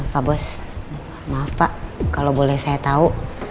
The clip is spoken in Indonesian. pak bos maaf pak kalau boleh saya tahu